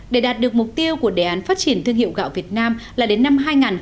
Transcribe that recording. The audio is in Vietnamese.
để đạt được mục tiêu của đề án phát triển thương hiệu gạo việt nam là đến năm hai nghìn ba mươi